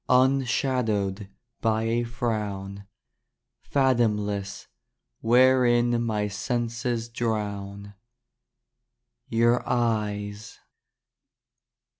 Unshadowed By a frown, Fathomless, Wherein My senses Drown. Your Eyes.